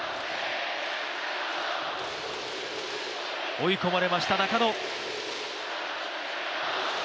追い込まれました、中野。